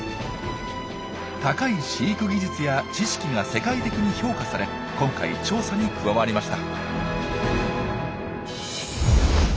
高い飼育技術や知識が世界的に評価され今回調査に加わりました。